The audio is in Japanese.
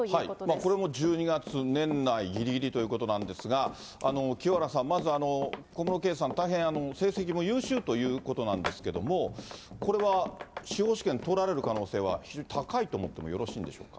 これも１２月、年内ぎりぎりということなんですが、清原さん、まず小室圭さん、大変、成績も優秀ということなんですけれども、これは司法試験、通られる可能性は非常に高いと思ってもよろしいんでしょうか。